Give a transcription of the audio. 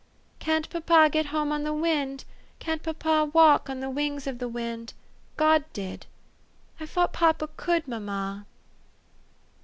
" Can't papa get home on the wind? Can't papa walk on "the wings of the wind? God did. I fought papa could, mamma."